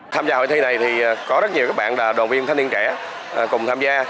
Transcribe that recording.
tham gia hội thi này thì có rất nhiều các bạn là đoàn viên thanh niên trẻ cùng tham gia